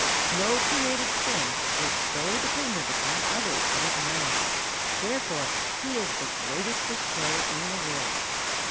No created thing is so dependent upon others as man; therefore he is the greatest destroyer in the world.